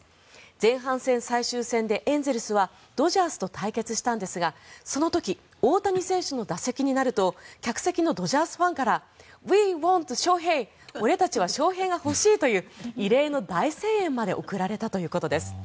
前半戦最終戦でエンゼルスはドジャースと対決したんですがその時、大谷選手の打席になると客席のドジャースファンからウィー・ウォント・ショウヘイと俺たちはショウヘイが欲しいという異例の大声援まで送られたということです。